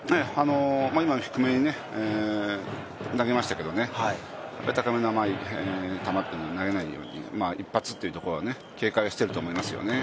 今低めに投げましたけど、高めの甘い球を投げないように一発というところは警戒していると思いますよね。